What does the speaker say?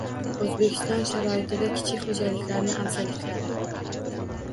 O‘zbekiston sharoitida kichik xo‘jaliklarning afzalliklari